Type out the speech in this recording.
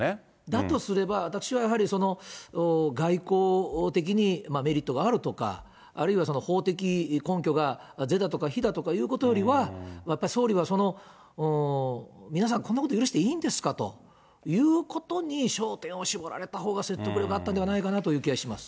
だとすれば、私は外交的にメリットがあるとか、あるいは法的根拠が是だとか非だとかいうことよりは、やっぱ総理はその皆さん、こんなこと許していいんですかということに、焦点を絞られたほうが説得力があったのではないかなという気がします。